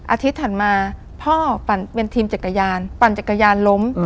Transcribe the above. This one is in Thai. อาทิตย์ถัดมาพ่อปั่นเป็นทีมจักรยานปั่นจักรยานล้ม